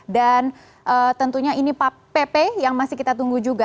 dan tentunya ini pp yang masih kita tunggu juga